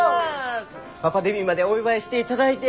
パパデビューまでお祝いしていただいて。